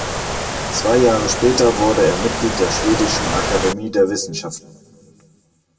Zwei Jahre später wurde er Mitglied der Schwedischen Akademie der Wissenschaften.